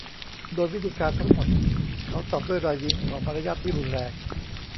โดยวิธีการทั้งหมดเขาตอบด้วยรอยยิ้มของมารยาทที่รุนแรง